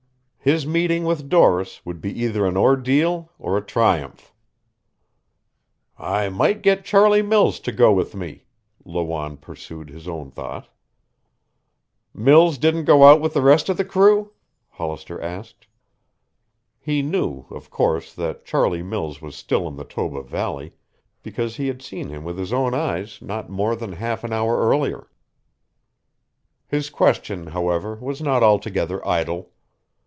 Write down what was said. His meeting with Doris would be either an ordeal or a triumph. "I might get Charlie Mills to go with me," Lawanne pursued his own thought. "Mills didn't go out with the rest of the crew?" Hollister asked. He knew, of course, that Charlie Mills was still in the Toba valley because he had seen him with his own eyes not more than half an hour earlier. His question, however, was not altogether idle.